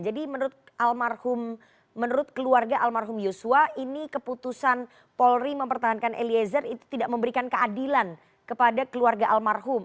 jadi menurut keluarga almarhum yosua ini keputusan polri mempertahankan eliezer itu tidak memberikan keadilan kepada keluarga almarhum